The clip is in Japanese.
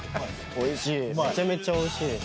おいしいめちゃめちゃおいしいです